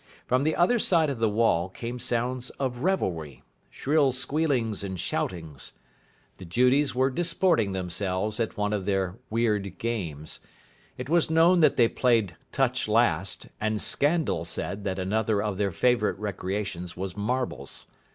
From the other side of the wall came sounds of revelry, shrill squealings and shoutings. The Judies were disporting themselves at one of their weird games. It was known that they played touch last, and Scandal said that another of their favourite recreations was marbles.